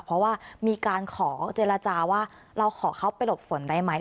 เพราะว่ามีการขอเจรจาว่าเราขอเข้าไปหลบฝนได้ไหม